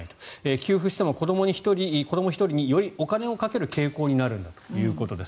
給付しても子ども１人によりお金をかける傾向になるんだということです。